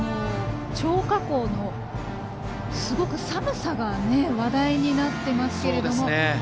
張家口のすごく寒さが話題になっていますけれども。